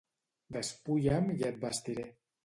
Despulla'm i et vestiré.